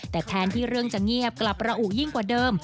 แต่แทนที่เรื่องจะเงียบกลับระอุยิ่งกว่าเดิม